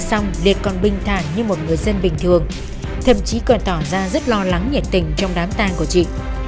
sau đó liệt còn bình thản như một người dân bình thường thậm chí còn tỏ ra rất lo lắng nhiệt tình trong đám tang của chị